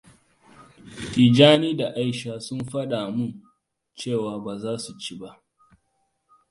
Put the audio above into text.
Tijjani da Aisha sun faɗa mun cewa baza su ci ba.